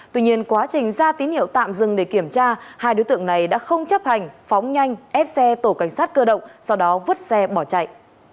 tuy nhiên quá trình ra tín hiệu tạm dừng để kiểm tra hai đối tượng này đã không chấp hành phóng nhanh ép xe tổ cảnh sát cơ động sau đó vứt xe bỏ chạy